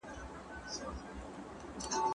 ساده خبرې د عام ولس لپاره ګټورې دي.